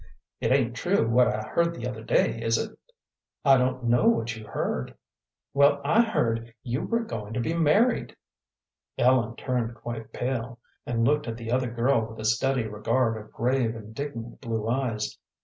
"It ain't true what I heard the other day, is it?" "I don't know what you heard." "Well, I heard you were going to be married." Ellen turned quite pale, and looked at the other girl with a steady regard of grave, indignant blue eyes.